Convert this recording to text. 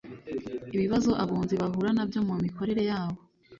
Ibibazo abunzi bahura nabyo mu mikorere yabo